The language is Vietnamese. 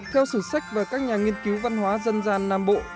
theo sử sách và các nhà nghiên cứu văn hóa dân gian nam bộ